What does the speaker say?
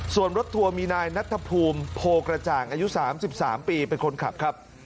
ส่วนรถทัวร์มีนายนัทภูมิโพกระจ่างอายุ๓๓ปีเป็นคนขับครับ